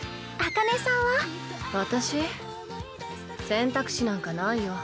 選択肢なんかないよ。